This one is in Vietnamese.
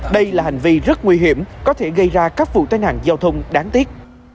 đây là hành vi rất nguy hiểm có thể gây ra các vụ tai nạn giao thông đáng tiếc